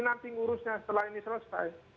nanti ngurusnya setelah ini selesai